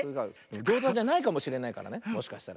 ギューザじゃないかもしれないからねもしかしたら。